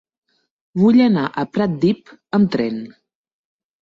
Vull anar a Pratdip amb tren.